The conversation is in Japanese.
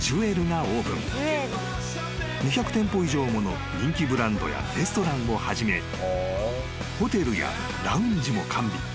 ［２００店舗以上もの人気ブランドやレストランをはじめホテルやラウンジも完備］